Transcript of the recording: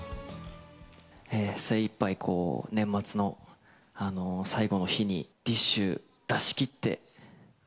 精いっぱい、年末の最後の日にＤＩＳＨ／／出しきって。